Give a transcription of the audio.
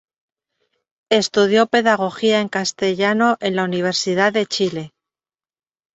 Estudió pedagogía en Castellano en la Universidad de Chile.